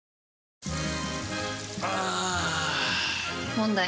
問題。